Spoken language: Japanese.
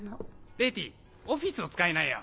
レティーオフィスを使いなよ。